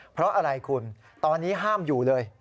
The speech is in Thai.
เพราะอะไรคุณตอนนี้ห้ามอยู่เลย